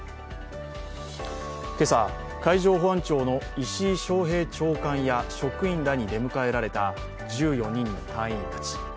今朝、海上保安庁の石井昌平長官や職員らに出迎えられた１４人の隊員たち。